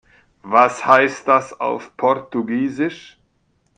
Was heißt das auf Portugiesisch?